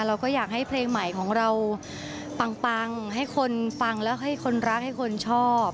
เราก็อยากให้เพลงใหม่ของเราปังให้คนฟังแล้วให้คนรักให้คนชอบ